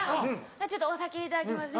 ちょっとお酒いただきますね。